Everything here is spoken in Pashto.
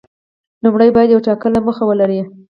لومړی باید یوه ټاکلې موخه ولري.